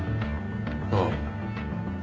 ああ。